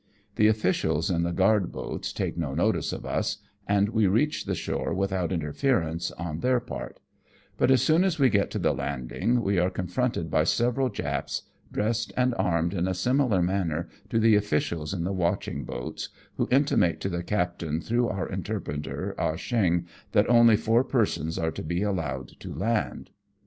The ofiBcials in the guard boats take no notice of us, and we reach the shore without interference on their part ; but as soon as we get to the landing we are con fronted by several Japs, dressed and armed in a similar manner to the oflBcials in the watching boats, who intimate to the captain, through our interpreter Ah Cheong, that only four persons are to be allowed to land.